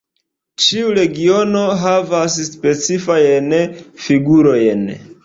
Ĉiu regiono havas specifajn figurojn.